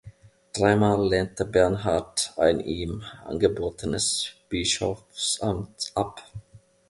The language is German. Dreimal lehnte Bernhard ein ihm angebotenes Bischofsamt ab.